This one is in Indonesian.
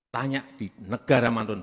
tanya di negara manapun